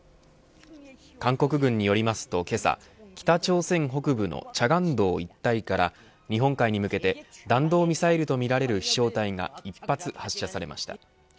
韓国軍によりますと、けさ北朝鮮北部の慈江道一帯から日本海に向けて弾道ミサイルとみられる飛翔体が１発、発射されました。